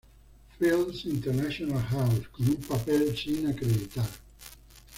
Fields "International House", con un papel sin acreditar.